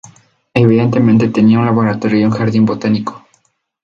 Evidentemente tenía un laboratorio y un jardín botánico.